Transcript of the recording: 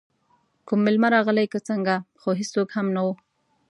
کوم میلمه راغلی که څنګه، خو هېڅوک هم نه وو.